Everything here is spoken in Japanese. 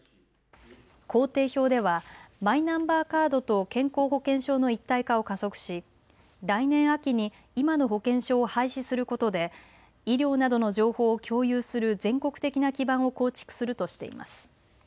工程表ではマイナンバーカードと健康保険証の一体化を加速し来年秋に今の保険証を廃止することで医療などの情報を共有する全国的な基盤を構築するとしています。